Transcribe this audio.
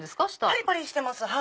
パリパリしてます。